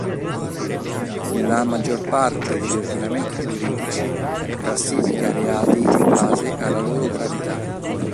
La maggior parte degli ordinamenti giuridici classifica i reati in base alla loro gravità.